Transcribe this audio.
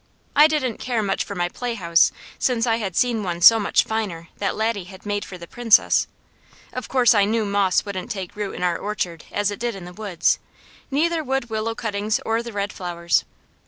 I didn't care much for my playhouse since I had seen one so much finer that Laddie had made for the Princess. Of course I knew moss wouldn't take root in our orchard as it did in the woods, neither would willow cuttings or the red flowers.